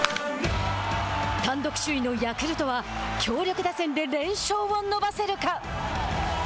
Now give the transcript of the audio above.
単独首位のヤクルトは強力打線で連勝を伸ばせるか！